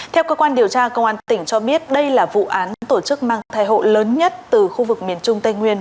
theo cơ quan điều tra công an tỉnh cho biết đây là vụ án tổ chức mang thai hộ lớn nhất từ khu vực miền trung tây nguyên